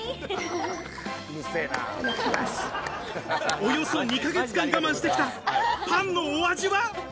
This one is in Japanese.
およそ２ヶ月間、我慢してきたパンのお味は？